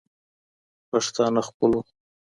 پښتانه خپلو